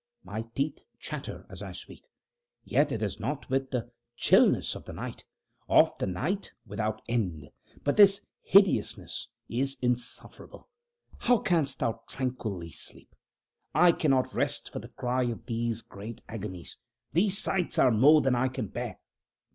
My teeth chatter as I speak, yet it is not with the chilliness of the night of the night without end. But this hideousness is insufferable. How canst thou tranquilly sleep? I cannot rest for the cry of these great agonies. These sights are more than I can bear.